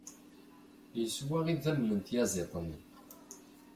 Yeswa idammen n tyaẓiḍt-nni.